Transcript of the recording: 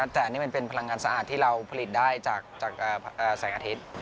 แต่อันนี้มันเป็นพลังงานสะอาดที่เราผลิตได้จากแสงอาทิตย์